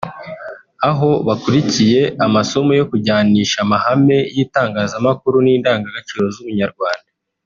aho bakurikiye amasomo yo kujyanisha amahame y’itangazamakuru n’indangagaciro z’ubunyarwanda